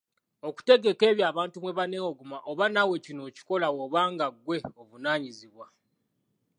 Okutegeka ebyo abantu mwe baneewogoma oba naawe kino okikola bw’oba nga ggwe ovunaanyizibwa.